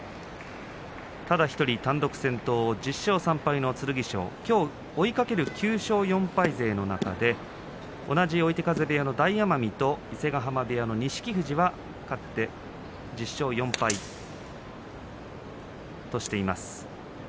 ただ１人単独先頭１０勝３敗の剣翔きょう追いかける９勝４敗勢の中で同じ追手風部屋の大奄美と伊勢ヶ濱部屋の錦富士が勝って１０勝４敗としています。